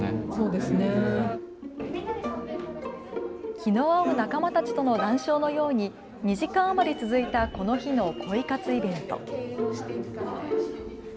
気の合う仲間たちとの談笑のように２時間余り続いたこの日の恋活イベント。